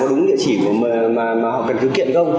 đúng địa chỉ mà họ cần cứ kiện không